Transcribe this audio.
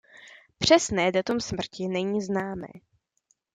Přesné datum smrti není známé.